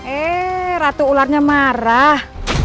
eh ratu ularnya marah